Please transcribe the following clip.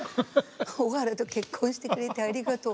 「小原と結婚してくれてありがとう。